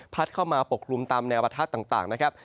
เข้ามาปกคลุมตามแนวประทัดต่างนะครับ